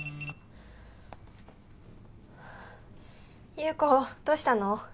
優子どうしたの？